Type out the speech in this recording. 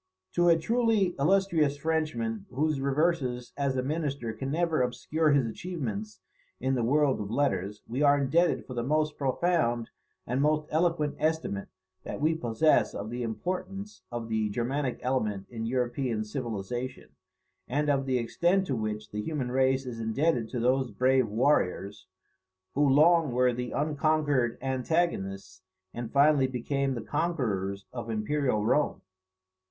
To a truly illustrious Frenchman, whose reverses as a minister can never obscure his achievements in the world of letters, we are indebted for the most profound and most eloquent estimate that we possess of the importance of the Germanic element in European civilization, and of the extent to which the human race is indebted to those brave warriors, who long were the unconquered antagonists, and finally became the conquerors, of Imperial Rome.